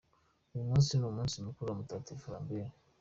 Uyu munsi ni umunsi mukuru wa Mutagatifu Lambert.